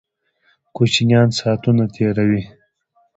کوچینان ساتونه تیروي